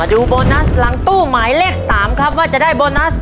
โบนัสหลังตู้หมายเลข๓ครับว่าจะได้โบนัส